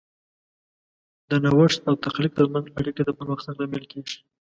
د نوښت او تخلیق ترمنځ اړیکه د پرمختګ لامل کیږي.